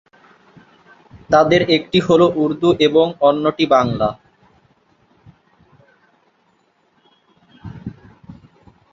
তাদের একটি হলো উর্দু এবং অন্যটি বাংলা।